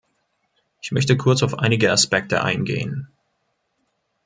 Ich möchte kurz auf einige Aspekte eingehen.